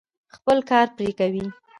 خپل کار پرې کوي.